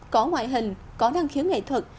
có ngoại hình có năng khiến nghệ thuật